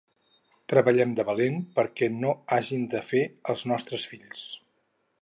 Treballem de valent perquè no hagin de fer els nostres fills.